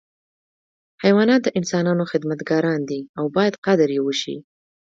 حیوانات د انسانانو خدمتګاران دي او باید قدر یې وشي.